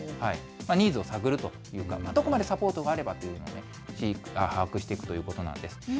ニーズを探るというか、どこまでサポートがあればというのを把握していくということなんです。